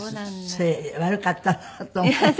それ悪かったなと思って。